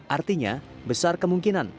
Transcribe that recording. artinya besar kemungkinan